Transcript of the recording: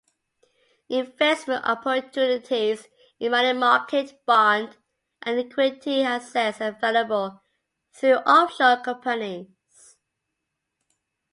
Investment opportunities in money-market, bond and equity assets are available through offshore companies.